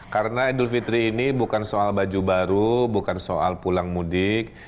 karena idul fitri ini bukan soal baju baru bukan soal pulang mudik